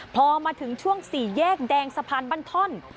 พอมาถึงช่วง๔แยกแดงสะพานบ้านท่อน